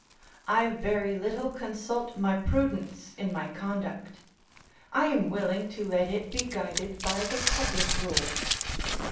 I very little consult my prudence in my conduct; I am willing to let it be guided by the public rule.